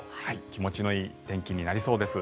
気持ちのいい天気になりそうです。